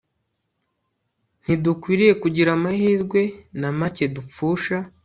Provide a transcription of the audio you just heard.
ntidukwiriye kugira amahirwe na make dupfusha